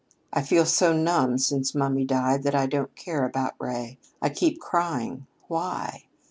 I feel so numb since mummy died that I can't care about Ray. I keep crying 'Why?'